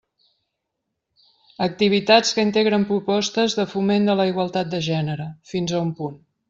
Activitats que integren propostes de foment de la igualtat de gènere, fins a un punt.